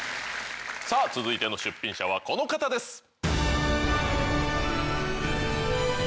さあ続いての出品者はこの方です。